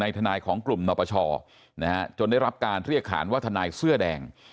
ทนายของกลุ่มนปชจนได้รับการเรียกขานว่าทนายเสื้อแดง